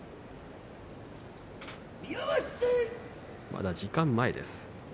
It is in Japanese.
まだ時間前です。